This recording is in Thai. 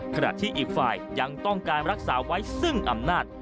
ขณะที่อีกฝ่ายยังต้องการรักษาไว้ซึ่งอำนาจ